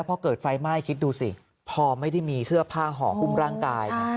พอเกิดไฟไหม้คิดดูสิพอไม่ได้มีเสื้อผ้าห่อหุ้มร่างกาย